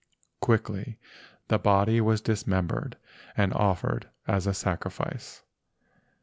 Quickly the body was dismembered and offered as a sacrifice.